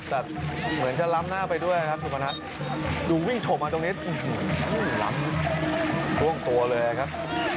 แต่เหมือนจะล้ำหน้าไปด้วยครับสุพนัทดูวิ่งฉกมาตรงนี้ล้ำพ่วงตัวเลยครับ